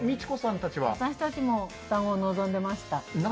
私たちも双子を望んでおりました。